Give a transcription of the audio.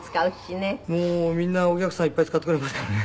もうみんなお客さんいっぱい使ってくれますからね。